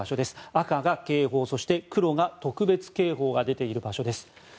赤が警報、そして黒が特別警報が出ている場所です。